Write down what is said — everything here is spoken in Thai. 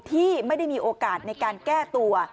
ที่ไม่ได้มีโอกาสในการแก้ตัว